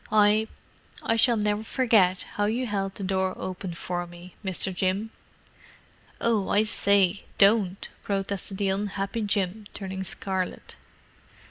"I—I shall never forget how you held the door open for me, Mr. Jim!" "Oh, I say, don't!" protested the unhappy Jim, turning scarlet.